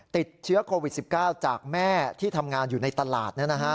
ติดเชื้อโควิด๑๙จากแม่ที่ทำงานอยู่ในตลาด